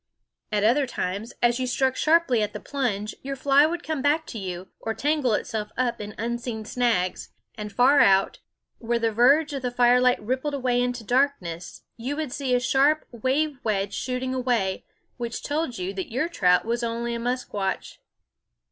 At other times, as you struck sharply at the plunge, your fly would come back to you, or tangle itself up in unseen snags; and far out, where the verge of the firelight rippled away into darkness, you would see a sharp wave wedge shooting away, which told you that your trout was only a musquash.